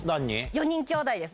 ４人きょうだいです。